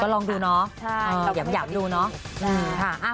ก็ลองดูนะหยามดูนะ